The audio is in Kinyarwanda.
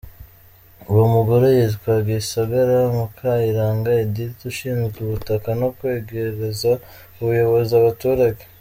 Uwo mugore yitwa Gisagara Mukayiranga Edith ushinzwe ubutaka no kwegereza ubuyobozi abaturage.